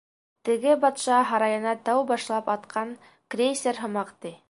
Теге батша һарайына тәү башлап атҡан крейсер һымаҡ, ти.